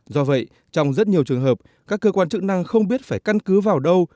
do vậy trong rất nhiều trường hợp các cơ quan chức năng không biết phải căn cứ vào đâu